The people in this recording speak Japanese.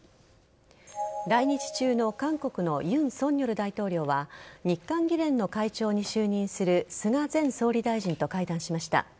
来日中の韓国の尹錫悦大統領は日韓議連の会長に就任する菅前総理大臣と会談しました。